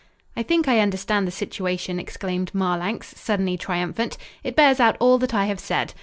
"I think I understand the situation," exclaimed Marlanx, suddenly triumphant. "It bears out all that I have said.